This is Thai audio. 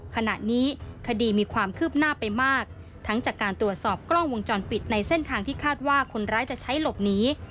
ขณะนี้คดีมีความคืบหน้าไปมากทั้งจากการตรวจสอบกล้องวงจรปิดในเส้นทางที่คาดว่าคนร้ายจะใช้หลบหนี